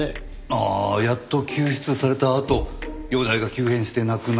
ああやっと救出されたあと容体が急変して亡くなったんでしたっけ？